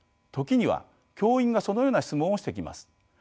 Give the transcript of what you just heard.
時には教員がそのような質問をしてきます。